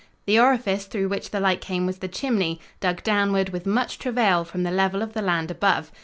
The orifice through which the light came was the chimney, dug downward with much travail from the level of the land above.